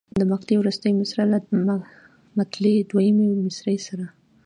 د مقطع وروستۍ مصرع له مطلع دویمې مصرع سره.